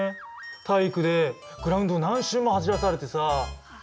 体育でグラウンドを何周も走らされてさあ。